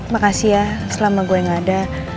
makasih ya selama gue gak ada